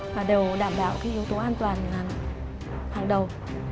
và đều đảm bảo cái yếu tố an toàn hàng đầu